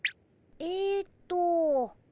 えっと。